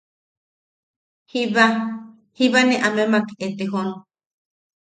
Jiba; jiba ne amemak etejon.